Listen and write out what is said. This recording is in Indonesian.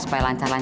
ya ya allah